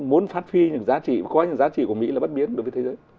muốn phát huy những giá trị có những giá trị của mỹ là bất biến đối với thế giới